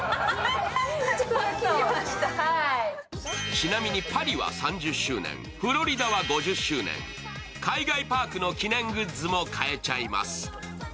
ちなみにパリは３０周年、フロリダは５０周年、海外パークの記念グッズも買えちゃいます。